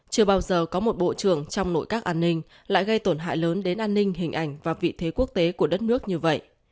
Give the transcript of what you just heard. chưa bao giờ có một bộ trưởng trong nội các an ninh lại gây tổn hại lớn đến an ninh hình ảnh và vị thế quốc tế của đất nước như vậy